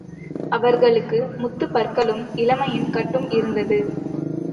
அவளுக்கு முத்துப்பற்களும் இளமையின் கட்டும் இருந்தது.